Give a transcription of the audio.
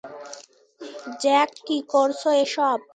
Jack, কী করছ এসব!